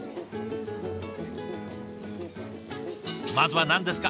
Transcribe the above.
まずは何ですか？